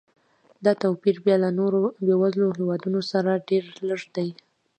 دا توپیر بیا له نورو بېوزلو هېوادونو سره ډېر لږ دی.